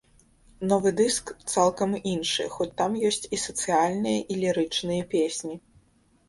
Новы дыск цалкам іншы, хоць там ёсць і сацыяльныя, і лірычныя песні.